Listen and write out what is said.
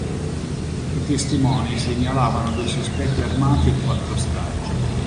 I testimoni segnalavano due sospetti armati e quattro ostaggi.